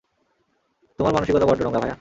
তোমার মানসিকতা বড্ড নোংরা, ভায়া।